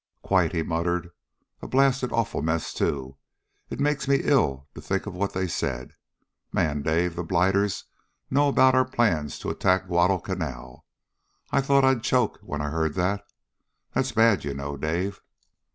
"Quite!" he muttered. "A blasted awful mess, too. It makes me ill to think of what they said. Man! Dave! The blighters know about our plans to attack Guadalcanal. I thought I'd choke when I heard that. That's bad, you know, Dave."